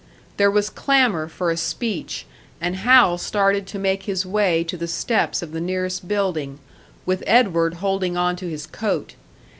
There was clamour for a speech, and Hal started to make his way to the steps of the nearest building, with Edward holding on to his coat.